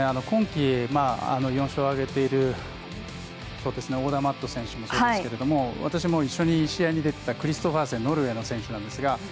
今季４勝を挙げているオダーマット選手もそうですけど私も一緒に試合に出ていたクリストファーセンノルウェーの選手ですが。